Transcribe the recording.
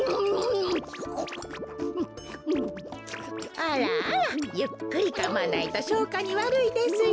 あらあらゆっくりかまないとしょうかにわるいですよ。